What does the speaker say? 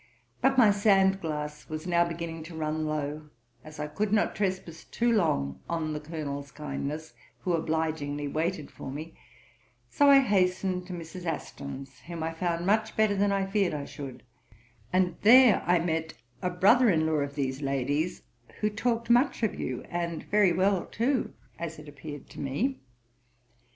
But my sand glass was now beginning to run low, as I could not trespass too long on the Colonel's kindness, who obligingly waited for me; so I hastened to Mrs. Aston's, whom I found much better than I feared I should; and there I met a brother in law of these ladies, who talked much of you, and very well too, as it appeared to me.